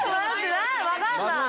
分かんない。